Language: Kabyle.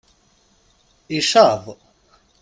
Icaḍ!